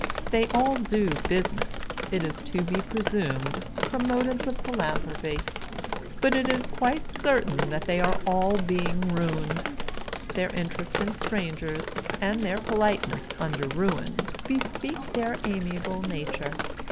They all do business, it is to be presumed, from motives of philanthropy — but it is quite certain that they are all being ruined. Their interest in strangers, and their politeness under ruin, bespeak their amiable nature.